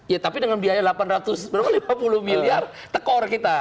ya tapi dengan biaya delapan ratus berapa puluh miliar tekor kita